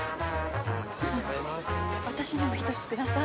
私にも１つください。